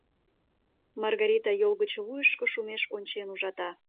Маргарита йол гыч вуйышко шумеш ончен ужата.